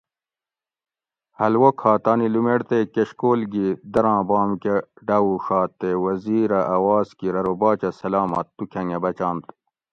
حلوہ کھا تانی لومیڑ تے کشکول گی دراں بام کہۤ ڈاۤووڛات تے وزیر اۤ اواز کیر ارو باچہ سلامت تُو کھنگہ بچنت